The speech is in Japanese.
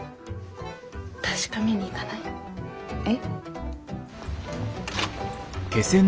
確かめに行かない？え？